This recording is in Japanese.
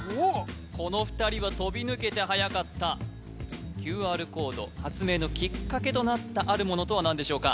この２人は飛び抜けてはやかったＱＲコード発明のキッカケとなったあるものとは何でしょうか？